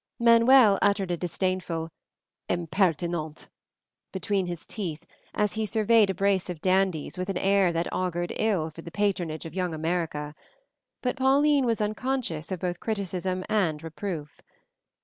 Manuel muttered a disdainful "Impertinente!" between his teeth as he surveyed a brace of dandies with an air that augured ill for the patronage of Young America, but Pauline was unconscious of both criticism and reproof.